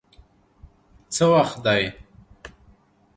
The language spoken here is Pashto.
څه وخت دی؟